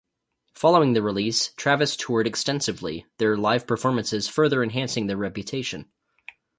Following the release, Travis toured extensively, their live performances further enhancing their reputation.